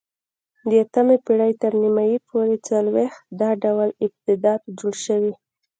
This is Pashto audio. د اتمې پېړۍ تر نیمایي پورې څلوېښت دا ډول آبدات جوړ شوي